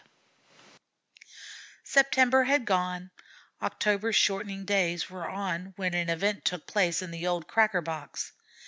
V September had gone. October's shortening days were on when an event took place in the old cracker box.